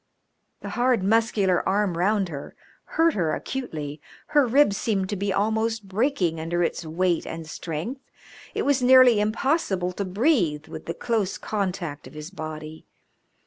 The hard, muscular arm round her hurt her acutely, her ribs seemed to be almost breaking under its weight and strength, it was nearly impossible to breathe with the close contact of his body.